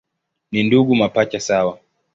Ni ndugu mapacha sawa.